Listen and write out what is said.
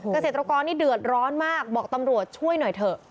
เกษตรกรนี่เดือดร้อนมากบอกตำรวจช่วยหน่อยเถอะ